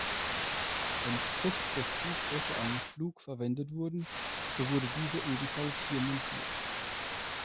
Wenn Feststoffbooster für einen Flug verwendet wurden, so wurden diese ebenfalls hier montiert.